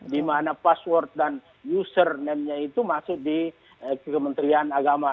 dimana password dan username itu masuk di kementerian agama